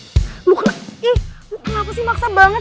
lu kenapa sih maksa banget